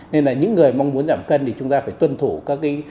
nên là những người mong muốn giảm cân thì chúng ta phải tuân thủ các cái